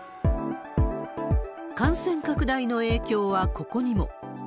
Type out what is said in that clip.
感染拡大の影響はここにも。